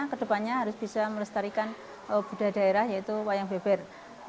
kedepannya harus bisa melestarikan budaya daerah yaitu wayang beber